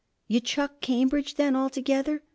'You chuck Cambridge then altogether?